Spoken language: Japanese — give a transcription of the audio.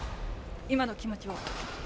今の気持ちを。